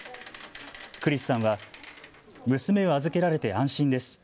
クリスさんは娘を預けられて安心です。